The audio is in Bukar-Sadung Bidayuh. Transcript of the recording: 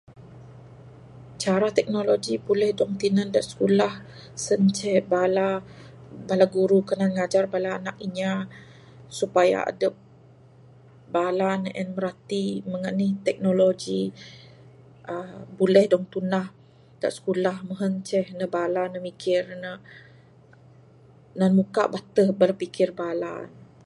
Cara teknologi buleh dog tinan da sikulah sen ceh bala...bala guru kanan ngajar bala anak inya supaya adep...bala ne en mirati meng anih teknologi uhh buleh dog tunah da sikulah mehen ceh ne bala ne mikir nan muka bateh bala pikir bala ne.